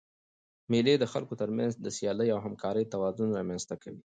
مېلې د خلکو تر منځ د سیالۍ او همکارۍ توازن رامنځ ته کوي.